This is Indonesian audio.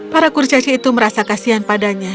para kurcaci itu merasa kasian padanya